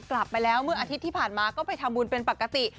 กลับไปแล้วเมื่ออาทิตย์ที่ผ่านมาก็ไปทำบุญเป็นปกติ